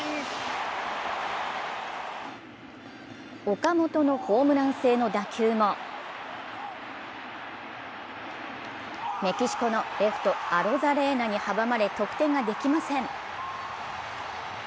岡本のホームラン性の打球も、メキシコのレフトアロザレーナに阻まれ得点ができません。